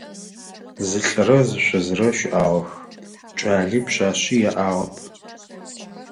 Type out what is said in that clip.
Зы лӏырэ зы шъузырэ щыӏагъэх, кӏали пшъашъи яӏагъэп.